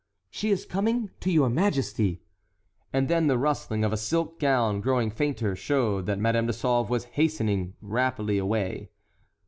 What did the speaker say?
"She is coming to your majesty." And then the rustling of a silk gown, growing fainter, showed that Madame de Sauve was hastening rapidly away.